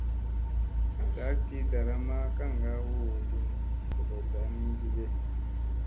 Saa gi ɗaramma kaŋga hu limi jogoɗta ni gege ?